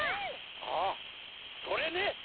ああそれね！